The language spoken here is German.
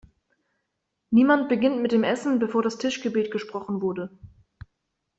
Niemand beginnt mit dem Essen, bevor das Tischgebet gesprochen wurde!